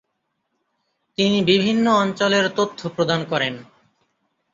তিনি বিভিন্ন অঞ্চলের তথ্য প্রদান করেন।